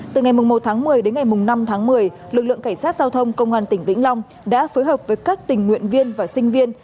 từ ngày một tháng một mươi đến ngày năm tháng một mươi lực lượng cảnh sát giao thông công an tỉnh vĩnh long đã phối hợp với các tình nguyện viên và sinh viên